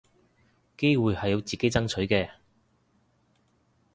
機會係要自己爭取嘅